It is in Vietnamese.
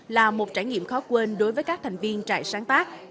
là một trải nghiệm khó quên đối với các thành viên trại sáng tác